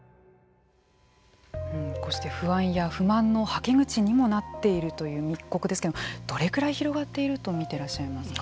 こうして不安や不満のはけ口にもなっているという密告ですけどもどれくらい広がっていると見てらっしゃいますか？